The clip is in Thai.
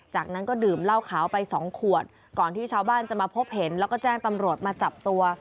จากนั้นก็ดื่มเหล้าขาวไปสองขวดก่อนที่ชาวบ้านจะมาพบเห็นแล้วก็แจ้งตำรวจมาจับตัว